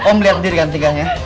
om lihat diri kan tingkahnya